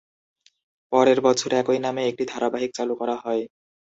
পরের বছর একই নামে একটি ধারাবাহিক চালু করা হয়।